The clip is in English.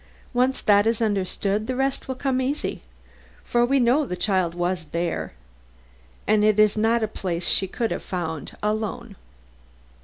Once that is understood, the rest will come easy; for we know the child was there, and it is not a place she could have found alone."